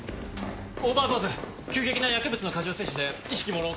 ・オーバードーズ急激な薬物の過剰摂取で意識もうろう